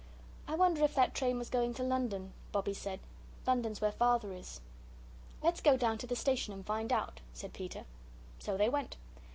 "I wonder if that train was going to London," Bobbie said. "London's where Father is." "Let's go down to the station and find out," said Peter. So they went.